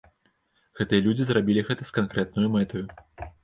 Гэтыя людзі зрабілі гэта з канкрэтнаю мэтаю.